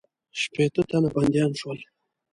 شپېته تنه بندیان شول.